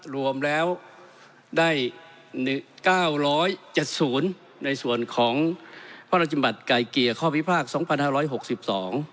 รวมแล้วได้๙๗๐ศูนย์ในส่วนของพระราชิมบัติไกลเกียร์ข้อพิพากษ์๒๕๖๒